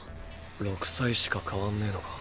６歳しか変わんねぇのか。